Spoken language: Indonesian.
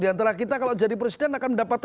diantara kita kalau jadi presiden akan mendapatkan